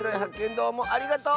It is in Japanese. どうもありがとう！